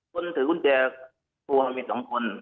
คนถือกุญแจตัวมี๒คน